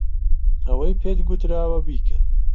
ئەوەی پێت گوتراوە بیکە.